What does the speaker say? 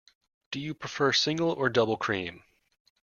Do you prefer single or double cream?